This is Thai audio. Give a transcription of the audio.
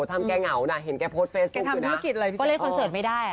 ทำแกเห็นแกโพสต์เฟสบุกตัวนะแกทำธุรกิจอะไรพี่จะเล่นครับไม่ได้อ่ะ